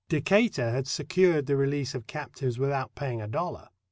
Decatur had secured the release of captives without paying a dollar.